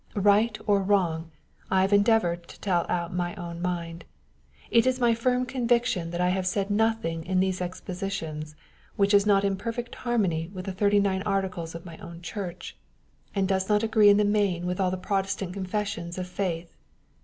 Right or wrong, I have endeavored to teU out my own mind. It is my firm conviction, that I have said nothing in these ex positions which is not in perfect harmony with the thirty nine articles of my own church, and deep not n PBKFAOX. agree in the main with all the Protestant confessions of faith.